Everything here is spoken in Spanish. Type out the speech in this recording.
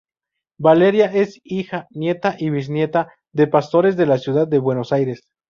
Valeria es hija, nieta y bisnieta de pastores de la ciudad de Buenos Aires.